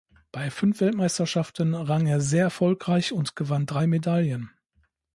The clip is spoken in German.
Bei fünf Weltmeisterschaften rang er sehr erfolgreich und gewann drei Medaillen.